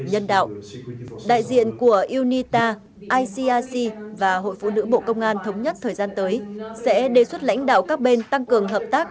nhân đạo đại diện của unita ic và hội phụ nữ bộ công an thống nhất thời gian tới sẽ đề xuất lãnh đạo các bên tăng cường hợp tác